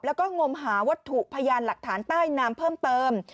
แล้วก็งมหาวัตถุพยานหลักฐานใต้น้ำเพิ่มเติม